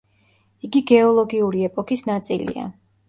იგი გეოლოგიური ეპოქის ნაწილია.